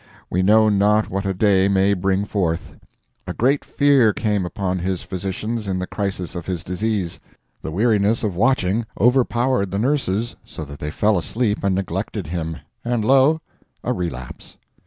we know not what a day may bring forth. A great fear came upon his physicians in the crisis of his disease. The weariness of watching overpowered the nurses, so that they fell asleep and neglected him—and lo! a relapse!